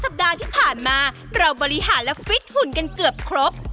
สัปดาห์ที่ผ่านมาเราบริหารและฟิตหุ่นกันเกือบครบ